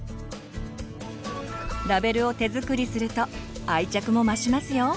ラベルを手作りすると愛着も増しますよ。